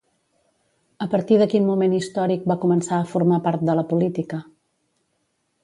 A partir de quin moment històric va començar a formar part de la política?